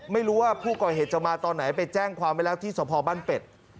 ไม่รู้ว่าผู้ก่อเหตุจะมาตอนไหนไปแจ้งความไว้แล้วที่สพบ้านเป็ด